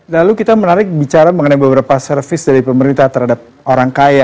lalu kita menarik bicara mengenai beberapa servis dari pemerintah terhadap orang kaya